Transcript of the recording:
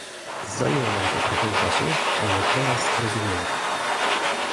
Zajęło nam to trochę czasu, ale teraz rozumiemy